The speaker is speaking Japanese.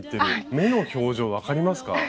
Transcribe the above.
目の表情分かりますか？